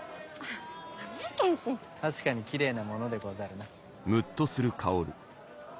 確かにキレイなものでござるな。